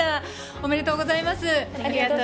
おめでとうございます。